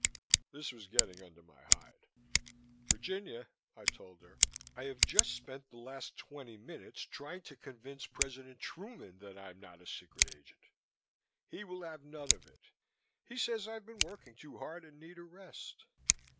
This was getting under my hide. "Virginia," I told her, "I have just spent the last twenty minutes trying to convince President Truman that I'm not a secret agent. He will have none of it. He says I've been working too hard and need a rest."